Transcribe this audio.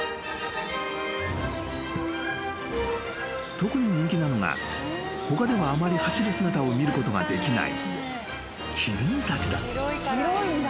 ［特に人気なのが他ではあまり走る姿を見ることができない］